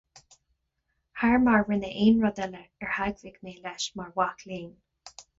Thar mar rinne aon rud eile ar theagmhaigh mé leis mar mhac léinn.